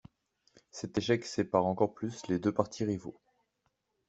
Cet échec sépare encore plus les deux partis rivaux.